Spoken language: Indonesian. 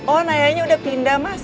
oh nayanya udah pindah mas